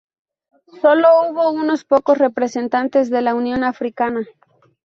Sólo hubo unos pocos representantes de la Unión Africana.